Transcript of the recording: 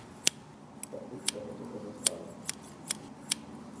Пакуль пра гэта казаць рана.